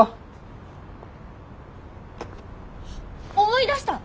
思い出した！